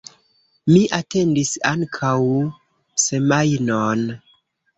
Mi atendis ankaŭ semajnon.